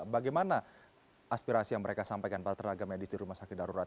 bagaimana aspirasi yang mereka sampaikan pada tenaga medis di rumah sakit darurat